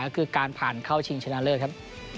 คือการผ่านเข้าชิงชนะเลิศครับ